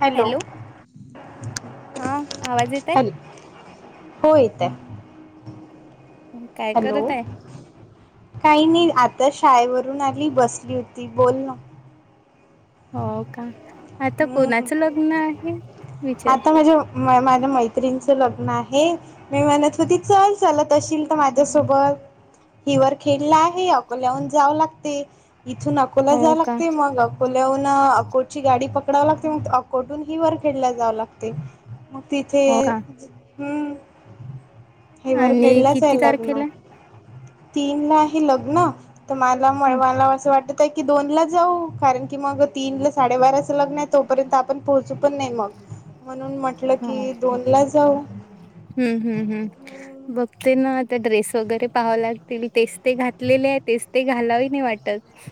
Hello. हा आवाज येत हॅल हो येतय. आहे काय हॅलो करत आहे काही नाही. आता शाळेवरून आली बसली होती बोल ना. हो का आता हम्म कोणाचं लग्न आहे विचार म माझ्या मैत्रीिणीचं लग्न आहे मी म्हणत होती चल चालत असशील तर माझ्यासोबत हिवर खेळला आहे अकोल्याहून जाव लागते. इथून अकोला हो जाय का लागते मग अकोल्याहून अकोची गाडी पक पकडव लागतेग अकोटून ही वर खेळल्याला जावं लागते. मग तिथे हो का हम्म. हेवरर आणि खेळलाच किती आहे लग्न तारखेला तीन ला आहे लग्न तर मला हं, मला असं वाट. की दोन ला जाऊ कारण की मग तीन ला साडेबारा लग्न आहे तोपर्यंत आपण पोहोचू पण नाही मग म्हणून म्हटलं हो की हम्म दोन ला जाऊ हम्म हम्म ब ते ना आता ड्रेस वगैरे पाहावं लागतील तेच ते घातलेले आहे तेच ते घालावे नाही वाटत.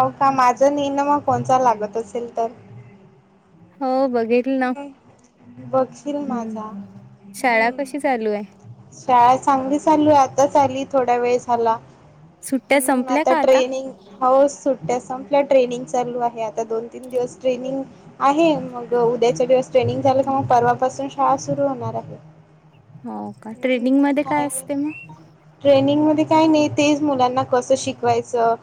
हो का माझं निेण मग कोण लागत असेल तर हो बघेल ना. बघशील माझा हम्म शाळा कशी हम्म चालू आहे. शाळा चांगली चालू आताच आली थोडा वेळ झाला. सुट्ट्या हम्म संपल्या आता का ट्रेनिंग हच सुट. संपल्या ट्रेनिंग चालू आहे आता दोन तीन दिवस ट्रेनिंग आहे मग उद्याच्या दिवस ्रेनिंग झाल्यास परवापासून शाळा सुरू होणार आहे. हो का ट्रेनिंग मध्ये काय असते मग ट्रेनिंग मध्ये काय नाही तेच मुलांना कसं शिकवायचं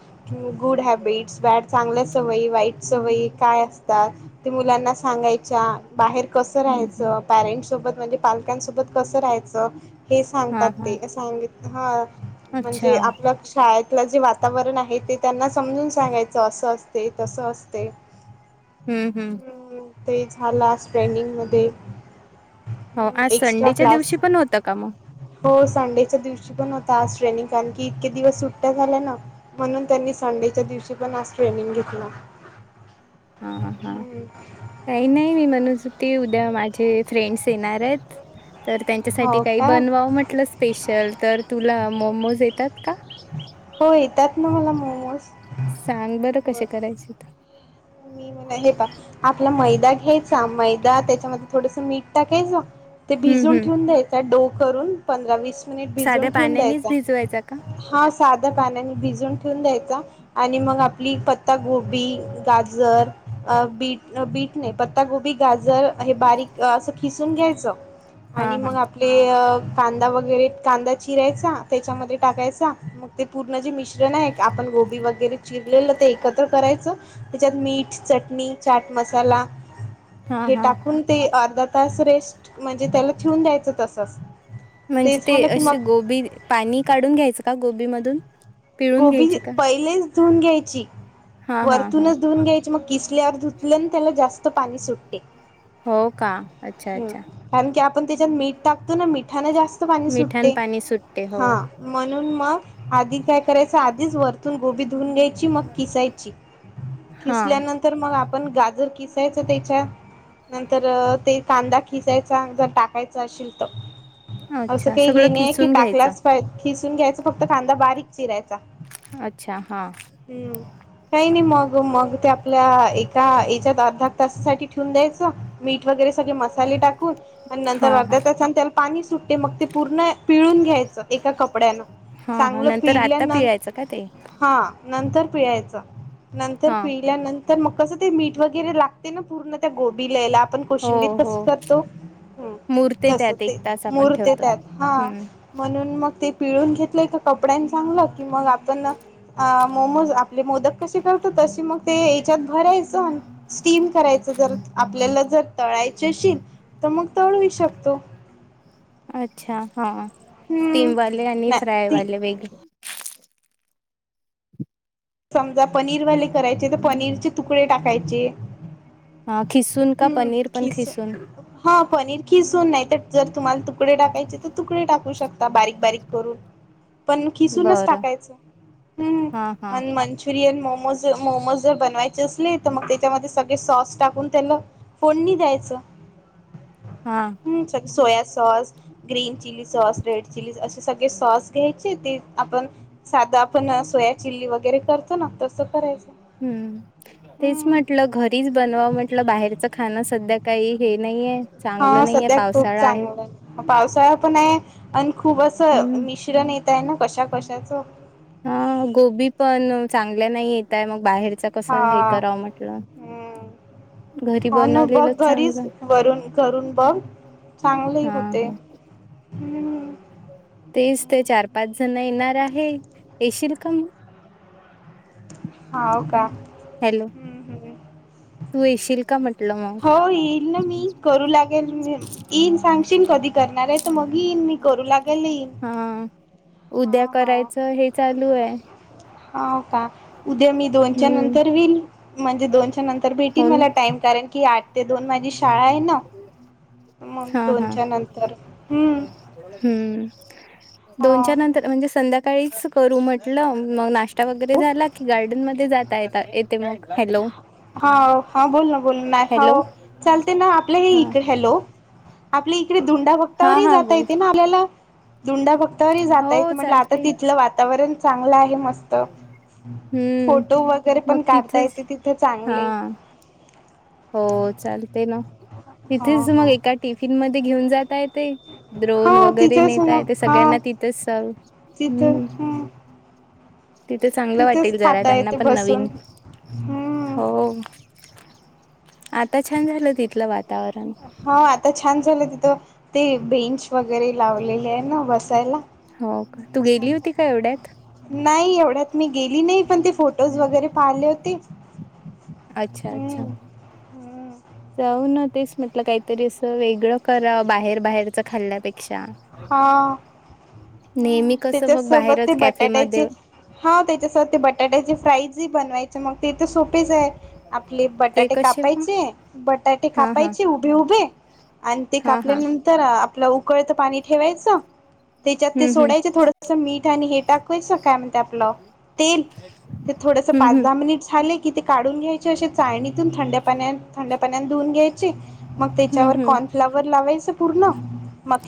गुड हॅबिट्स बॅड चांगले. सवय वाई सवयी काय असतात मुलांना सांगायच्या बार. कसं हम्म, हम्म. राहायचं पॅरेंट् सोबत म्हणजे पालकांसोबत कसं राहायचं. हे हा सांगतात हा ते सांगित हा अच्छा म्हणजे आपलं शाळेत आपलं जे वातावरण आहे ते त्यांना समजून सांगायचं असं असते तस असते. हम्म हम्म. ते झाला ट्रेंडिंगमध्ये हो आज संडेच्या दिवशी पण होतं का मग हो संडेच्या दिवशी पण होता आज ट्रेनिंग कारण की इतके दिवस सुट्ट्या झाल्या ना म्हणून त्यांनी संडेच्या दिवशी पण आज ट्रेनिंग घेतलं. हा हा हम्म काही नाही मी म्हणूस ते उद्या माझे फ्रेंड्स येणार आहेत. तर त्यांच्यासाठी हो काही का बनवावं म्हटलं स्पेशल तर तुला मोमोज येतात का? होय त्यात नवला मोमोज सांग बरं बर कसे करायचे तर मी म्हला हे प आपला मैदा घ्यायचा मैदा त्याच्यामध्ये थोडस मीठ टाकायचं. ते हम्म भिजून हम्म ठेवून द्यायच डो करून पंधरा वीस भिून साध्या ठे पाण्यानेच द्यायचा भिजवायचा का? ह. साध्या पानाने भिजून ठेवून द्यायचा आणि मग आपली पता गोी गा. जर अ बीट बीट नाही पत्ता गोबी गाजर हे बारीक असं खिसून घ्यायचं हा आणि हा मग आपले अ कांदा वगैरे कांदा चिरायचा त्याच्यामध्ये टाकायचा मग ते पूर्ण जे मिश्रण आहे आपण गोभी वगैरे चिरलेलं ते एकत्र करायचं त्याच्यात मीठ चटणी चाट मसाला हा हे हा टाकून ते अर्धा तास रेस्ट म्हणजे त्याला ठेवून द्यायचं तसच म्हणजे ते झालं की मग असे गोबी पाणी काढून घ्यायचं का गोबीमधून पिळून गोबी घ्यायचे का? पहिलेच धुऊन घ्यायची हा हा हा वरतूनच धुवून घ्यायचे मग किसल्यावर धुतले त्याला जास्त पाणी सुटते हो का अच्छा ह अच्छा कारण की आपण त्याच्यात मीठ टाकतो ना मिठाने जास्त पाणी मिठण सुटते पाणी सुट हा म्हणून मग आधी काय करायचं आधीच वरतून गोबी धुून घ्यायची मग किसाय हा खल्यानंतर मग पण गाजर किसायचं त्याच्या नंतर ते कांदा खिचायचा जर टाकायचा असशेल तर असं अच्छा काही हे सगळं नाही की खिसून घ्यायचं टाकलाच पाहिजे की घ्यायचा फक्त खांदा बारीक चिरायचा अच्छा हा हम्म काही नाही मग मग ते आपल्या एका याच्यात अर्ध तासासाठी ठेवून द्यायचं मीठ वगैरे सगळे मसाले टाकून आणि नंतर हा अर्ध्या हा तसा त्याला पाणी सुटते मग ते पूर्ण पिळून घ्यायचं एका कपड्यानं हा हा चांगलं नंतर आता पिळल्यानंत पिळायचं का ते हा नंतर पियचं नंतर हा पिल्यानंतर मग कसं ते मीठ वगैरे लागते ना पूर्ण त्या गोबी लयला आपण हो कोशिंबीर हो कस करतो मुरते तस त्यात एक ते तास आपण मूहर्त ठेवतो. त्यात हा हम्म म्हणून मग ते पिळून घेतलंय का कपड्यांनी चांगलं की मग आपण अ मोमोज आपले मोदक कसे करतो तशी मग ते याच्यात भरायचं स्टीम करायचं जर आपल्याला जर तळायचे असशल तर मग तळू शकतो अच्छा हा हम्म स्टीमवाले आणि नाही फ्राय ती वाले वेगळे समजा पनीरवाले करायचे तर पनीरचे तुकडे टाकायचे हा खिसून का हम्म पनीर पण खिसून हा पनीर खिसून नाही तर जर तुम्हाला तुकडे टाकायचे तर तुकडे टाकू शकता बारीक बारीक करून पण खिसूनच बरं टाकायचं हम्म हा हा ब अस तर त्या टा कोडणी जायचं हा soya sauce green chilli sauce red chilli सग सॉस घ्यायचे ते आपण साध आपण सोया चिली व वगैरे करतो ना तसं करायचं हम्म तेच हम्म म्हटलं घरीच बनवा म्हटलं बाहेरचं खाणं सध्या काही हे नाहीये हा चांगलं नाहीये सध्या खूप पावसाळा चांगलं आहे पावसाळा पण आहे आणि खूप असं हम्म मिश्रण येत त्यांना कशा कशाचं हा गोबी पण चांगल्या नाही येतय मग बाहेर कस हे करावं म्हटलं हम्म घरी हा ना बघ बनवलेलंच घरीच चांगलं वरून घरून बघ चांगले हा होते हा हम्म तेच ते चार पाच जण येणार आहे येशील का म हा हो का हम्म हम्म तू येशील का म्हटलं मग हो येईल ना मी करू लागेल येईन सांग कधी करणार तर मग मी करू लाग हा उद्या करायचं हे चालू आहे हा हो का, उद्या मी दोनच्या हम्म नंतर येईल, म्हणजे दोनच्या नंतर भेटील हो ना मला टाइम कारे, कि आठ ते दोन माझी शाळा आहे ना. मग हा हा दोनच्या नंतर हम्म हम्म, हा दोनच्या नंतर म्हणजे संध्याकाळीच करू म्हटलं, [unintelligible] हा हा बोल हॅलो ना आपल्या हा इकडे धुंडा हा भक्तावरही हा जाता बोल येते, ना आपल्याला धुंडा भक्, तरी हो चालते मस्त हम्म फोटो वगैरे मग पण काढता येत. ते तिथेच तिथे चां हा हो चालते ना ति ह ते ह द्रोन हा वगैरे तिथेच नेताय मग ते हा सगळ्यांना, तिथेच जाल तिथं हम्म, हम्म [unintelligible] तिथे चांगलं तिथेच वाटेल जरा खाता त्यांना येते पण नवीन, बसून हम्म आता छान झालं तिथलं वात, हा आता छान झालं तिथं ते बेंच वगैरे लावलेले आहे ना बसायला. हो का तू गेली होती का एवढ्यात [unintelligible] मी गेली नाही, पण ते फोटोज वगैरे पाहिले होते. अच्छा अच्छा हम्म जाऊ न, तेच म्हटलं काहीतरी असं वेगळं करावं बाहेर बाहेरचं, खाल्ल्यापेक्षा हा हम्म नेहमी कसं त्याच्या मग सोबत ते बाहेरच बटाट्याची, कॅफेमध्ये हा त्याच्यासह ते बटाट्याची फ्राईजी बनवायची. ते तर सोपेच आहे, आपले ते बटाटे कसे मग कापायचे बटाटे हा हा कापायचे उभे उभे आणि ते हा हा कापल्यानंतर, आपला उकळत पाणी ठेवायचं. त्याच्यात ते हम्म हम्म सोडायच थोडस मीठ आणि हे, टाकय काय आपलं तेल ते थोडस हम्म पाच हम्म दहा मिनिट झाले, कि ते काढून घ्यायचे असे चाळणीतून थंड पाण्या थंड पाण्या धुऊून घ्यायचे. मग त्याच्यावर हम्म हम्म कॉर्नफ्लावर लावायचं.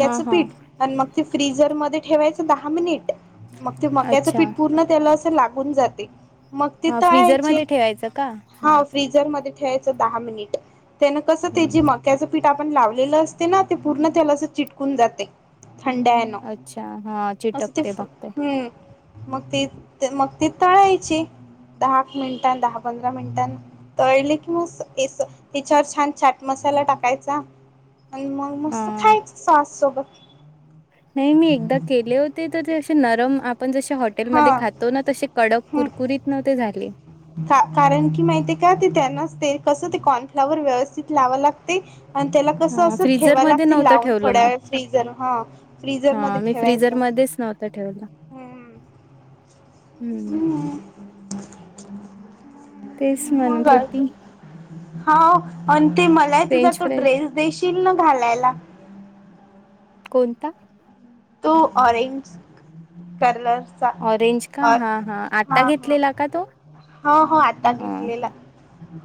हा हा पीट मग ते फ्रीझर म ठेवायच. दहा मिनिट, मग ते मक्याचं अच्छा पीठ पूर्ण त्याला असं लागून जाते. मग ते हा तळायचे फ्रीझरमध्ये ठेवायचं का हा फ्रीझरमध्ये, ठेवयच दहा मिनिट ते न कस हम्म ते मक्या च पिट, पीठ आपण लावलेलं असते, ना ते पूर्ण त्याला चिटकून जाते. थंड आहे ना अच्छा हा असं ते्, चिटकते बघते हम मग ती मग ती तळायची दहा मिनिटां दहा पंधरा मिनिटां, तळले की म त्याच्यावर छान छट मस्त चट मसाला, मसाला टाकायचा आणि मग मस्त हा खायच सॉस सोबत, नाही मी एकदा केले होते, तर ते असे नरम आप, आपण जसे हा हॉटेलमध्ये खातो ना तसे कडक कुरकुरीत न ते झाले. कारण की माहिती आहे. का ते त्यांनाच ते कसं आणि त्याला कसं ह असं ठेवावं फ्रीझरमध्ये लागतील, नव्हतं लावून ठेवलं थोड्या मी वेळ फ्रीझर हा फ्रीझरमध्येध्ये ठेवायचं. ध्येच नव्हत ठेवल. हम्म हम्म [unintelligible] तेच म्हणत होती, हा आणि ते मला तुझा फ्रेंच तो फ्राईज ड्रेस देशील ना घालायला. कोणता? तू ऑरेंज कलर, ऑरेंज का हा हा आत्ता हा घेतलेला का तो. हो हो आता घेतलेला हां.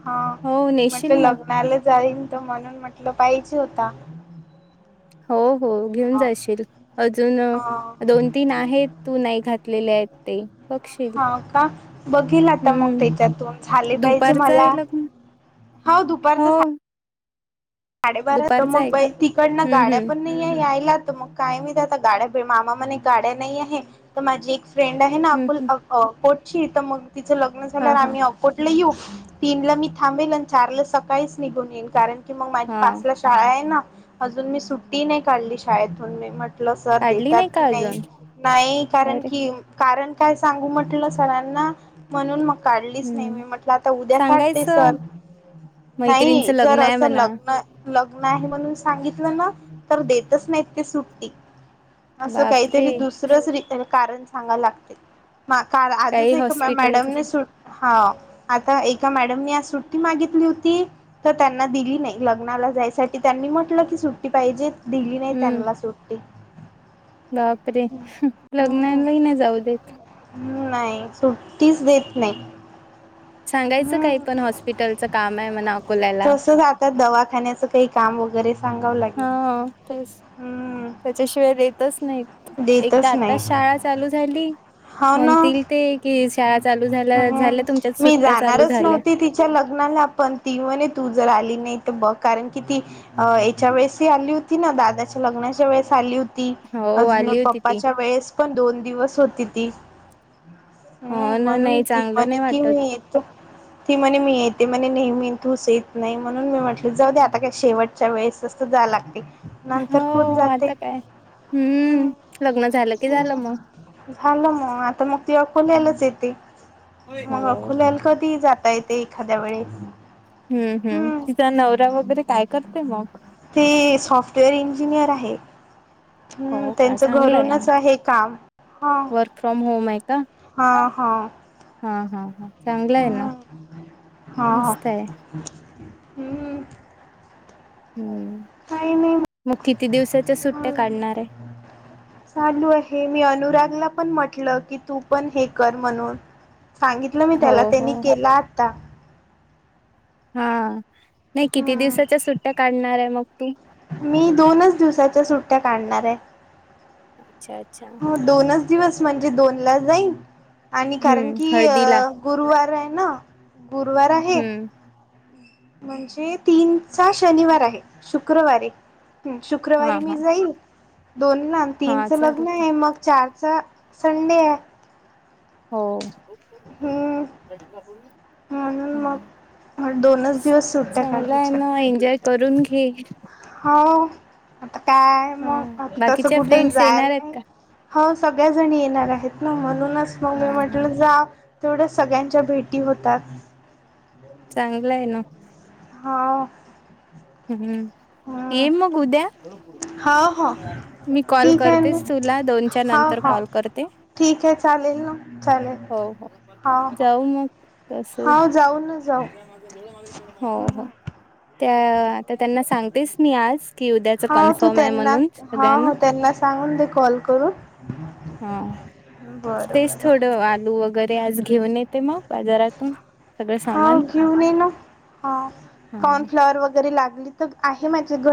हा हो मी नेशील म्हटलं ना लग्नाला जाईल त म्हणून म्हटलं पाहिजे होता हो हो घेऊन हा जायशील अजून हा दोन तीन आहेत तू नाही घातलेले आहेत ते बघशील हा का बघेल आता मग हम्म त्याच्यातून झाले पाहिजे दुपारचा मला आहे लग्न हा हो दुपारचं सा साडेबारा तर दुपारचा आहे मग का तिकडन हम्म गाड्या हम्म पण नाही आहे यायला मग काय मीता गाड्या मामा म गाड्या नाही आहे तर माझी फ्रेंड आहे ना हम्म अकुल हम्म अ कोोटची तर मग तिचं लग्न हा झाल्यावर हा आम्ही अकोर्टला येऊ तीन ला मी थांबेल आणि चारला सकाळीच निघून येईन कारण की मग माझी हा पाचला शाळा आहे ना अजून मी सुट्टी नाही काढली शाेतून मी सर काढली देतात की का नाही अजून नाही कारण अरे कीण काय सांगू म्हटलं सरांना म्हणून मग काढलीच नाही हम्म मी म्हट आता उद्या काढते सर सांगायचं नाही मैत्रिणीचं जर लग्न आहे असं म्हणा लग्न लग्न आहे म्हणून सांगितलं ना तर देतच नाहीत ते सुट्टी असं बापरे काहीतरी दुसरंच कारण सांगा लागते म काल आजच काही एक हॉस्पिटलच मॅडमने सुट हा आता एका मॅडमनी आ सुट्टी मागितली होती तर त्यांना दिली नाही ल लग्नाला जायसाठी त्यांनी म्हटलं की सुट्टी पाहिजे दिली नाही हम्म त्यांना सुट्टी बापरे हम्म लग्नालाही ना जाऊ देत तीच देत नाही सांगायचं हम्म काही पण हॉस्पिटलचं काम आहे म अकोल्याला खाण्याचं काही काम वगैरे सांगावं लागेल हा तेच हम्म त्याच्याशिवाय नाही एक तर देतच आता नाही शाळा चालू झाली हो ना म्हणतील ते कि शाळा चालू झाल्या झाल्या हम्म तुमच्यात मी सुट्ट्या चालू जाणारच झाल्या नव्हती तिच्या लग्नाला पण ती म्हणे तू जर आली नाही बघ कारण की ती अ याच्या वेळेस ह आली होती ना दादाच्या लग्नाच्या वेळेस आली होती ती हो अजून मग आली होती ती पप्पाच्या वेळेस पण दोन दिवस होती ती हम्म हो ना म्हणून नाही ती चांगलं म्हणे नाही कि वाटत मी येतो ती म्हणे मी येत ते मणे नेहमी ूस येत नाही म्हणून मी म्हटले जाऊ दे आता काही शेवटच्या वेळेस असं जा लागते नंतर हो खून जाते आता काय हम् हम्म, लग्न झालं की झालं मग. ह झाल मग आता मग द खुल्यालाच येते मग हो. खुल्याला कधी जाता येते एखाद्या वेळी हम्म हम्म तिचा नवरा्या वगैरे काय करते मग ते सॉफ्टवेअर इंजिनिअर आहे हम्म हो का त्यांचं चांगलं ना. घरूनच आहे काम हा वर्क फ्रॉम होम आहे का? हा हां हा हा हा चांगलं आहे ना हा हा मस्त आहे हम्म हम्म काही नाही मग किती दिवसाच्या सुट्ट्या काढणार आहे चालू आहे मी अनुरागला पण म्हटलं की तू पण हे कर म्हणून सांगितलं मी हो त्याला हो त्यांनी केला आता हा नाही किती हम्म दिवसाच्या सुट्ट्या काढणार आहे मग तू मी दोनच दिवसाच्या सुट्ट्या काढणार आहे अच्छा अच्छा. हो दोनच दिवस म्हणजे दोन ला जाईन आणि कारण हम्म, की अ हळदीला गुरुवार आहे ना गुरुवार आहे हम्म म्हणजे तीनचा शनिवार आहे शुक्रवारे हा शुक्रवारी हा मी जाईल दोनना हा तीनचं लग्न चालतंय. आहे मग चार स संडेडे आहे हो. हम्म म्हणून मग दोनच दिवस सुट्ट्या चांगलं आहे काढायच्या. ना एन्जॉय करून घे. हो आता काय हा मग आता तसं बाकीच्या कुठं फ्रेंड्स येणार जायला आहेत नाही का? हो सगळ्याजणी येणार आहेत ना म्हणूनच मग मी हा हा. म्हटलं जा तेवढ्या सगळ्यांच्या भेटी होतात.. चांगलं आहे ना. हो. हम्म ये मग उद्या. हो हो मी कॉल ठीक आहे ना करतेच तुला, दोनच्या हो नंतर हो कॉल करते. ठीक आहे चालेल ना चालेल हो हो जाऊ मग तस हो जाऊ ना जाऊ हो हो त्या. आता त्यांना सांगतेस मी आज. कि उद्याच हो तू कन्फर्म आहे त्यांना म्हणून हो सगळ्यांना. हो त्यांना सांगून दे कॉल करून हा. बरं तेच बरं थोडं आलू वगैरे आज घेऊन येते मग बाजारातून सगळं हा सामान घेऊन ये ना हा हा कॉर्नफ्लॉवर वगैरे लागली आहे माझे घ